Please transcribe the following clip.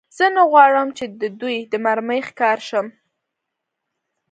زه نه غواړم، چې د دوی د مرمۍ ښکار شم.